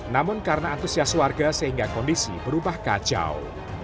namun karena antusias warga sehingga kondisi berubah kacau